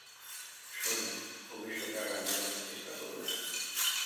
শোন, ভবিষ্যতে আর রান্নাবান্নার চেষ্টা করো না।